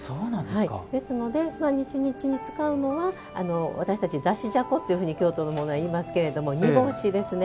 ですので、日日に使うのは私たち、だしじゃこというふうに京都の方では言いますが煮干しですね。